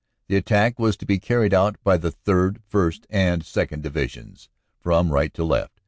The attack was to be carried out by the 3rd., 1st., and 2nd. Divisions from right to left.